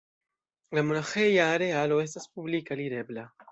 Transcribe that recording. La monaĥeja arealo estas publike alirebla.